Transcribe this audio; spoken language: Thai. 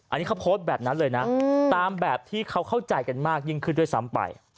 อันนี้เขาโพสต์แบบนั้นเลยนะตามแบบที่เขาเข้าใจกันมากยิ่งขึ้นด้วยซ้ำไป